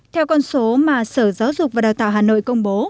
theo con số mà sở giáo dục và đào tạo hà nội công bố